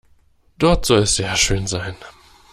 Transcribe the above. Dort soll es sehr schön sein.